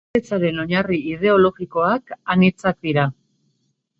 Lankidetzaren oinarri ideologikoak anitzak dira.